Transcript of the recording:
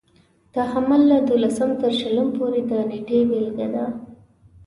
د حمل له دولسم تر شلم پورې د نېټې بېلګه ده.